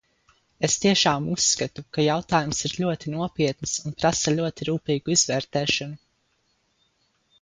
Es tiešām uzskatu, ka jautājums ir ļoti nopietns un prasa ļoti rūpīgu izvērtēšanu.